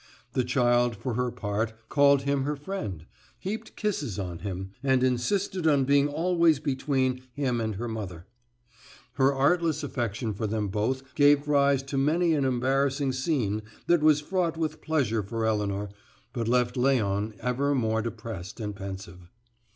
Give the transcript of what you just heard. The child, for her part, called him her friend, heaped kisses on him, and insisted on being always between him and her mother. Her artless affection for them both gave rise to many an embarrassing scene that was fraught with pleasure for Elinor, but left Léon ever more depressed and pensive.